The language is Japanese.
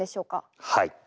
はい。